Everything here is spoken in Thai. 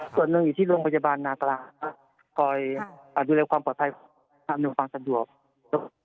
ส่วนหนึ่งอยู่ที่โรงพยาบาลนากลางคอยดูแลความปลอดภัยอำนวยความสะดวก